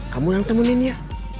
kamu yang temenin ya